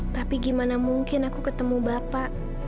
tapi gimana mungkin aku ketemu bapak